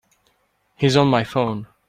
He's on my phone.